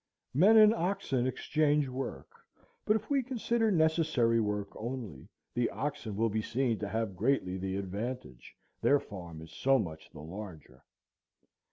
Men and oxen exchange work; but if we consider necessary work only, the oxen will be seen to have greatly the advantage, their farm is so much the larger.